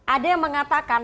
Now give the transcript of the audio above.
ada yang mengatakan